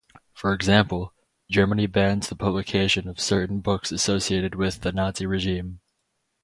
For example, Germany bans the publication of certain books associated with the Nazi regime.